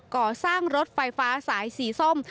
ก่อสร้างรถไฟฟ้าสายสีส้ม